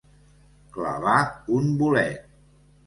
Clavar un bolet.